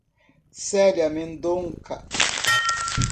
Celia Mendonca